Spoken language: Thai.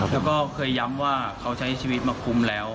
แล้วก็เคยย้ำว่าเขาใช้ชีวิตมาคุ้มแล้ว